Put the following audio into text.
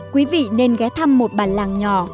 quý vị nên ghé thăm một bàn làng nhỏ